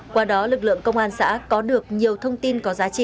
qua đó lực lượng công an xã có được nhiều thông tin